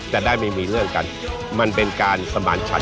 ได้ไม่มีเรื่องกันมันเป็นการสมานฉัน